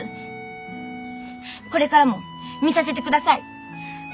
これからも見させてください。